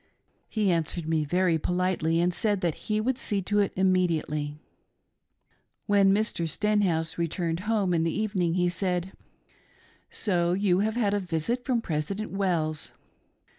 He answered me very politely and said that he would see to it immediately. When Mr. Stenhouse returned home in the evening he said :" So you have had a visit from Presi dent Wells."